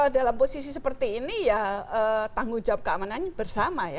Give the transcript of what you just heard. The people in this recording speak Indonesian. dalam posisi seperti ini tanggung jawab keamanannya bersama